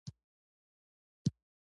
ایا ستاسو باروت به لوند نه شي؟